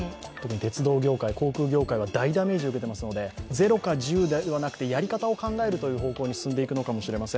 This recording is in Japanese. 鉄道業界、航空業界は大ダメージを受けていますので０か１０でなく、やり方を考えるという方向にいくのではないかと思います。